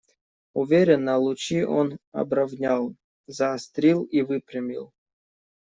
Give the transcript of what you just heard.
Уверенно лучи он обровнял, заострил и выпрямил.